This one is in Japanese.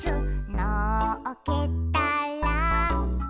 「のっけたら」